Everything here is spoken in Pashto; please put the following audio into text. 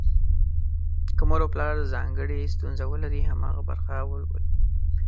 که مور او پلار ځانګړې ستونزه ولري، هماغه برخه ولولي.